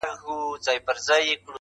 ما دي ولیدل په کور کي د اغیارو سترګکونه-